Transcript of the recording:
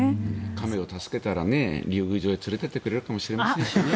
亀を助けたら竜宮城へ連れていってくれるかもしれませんしね。